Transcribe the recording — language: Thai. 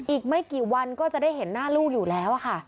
อีกไม่กี่วันก็จะได้เห็นหน้าลูกอยู่แล้วค่ะ